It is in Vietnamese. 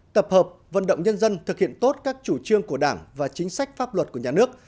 tập hợp vận động nhân dân thực hiện tốt các chủ trương của đảng và chính sách pháp luật của nhà nước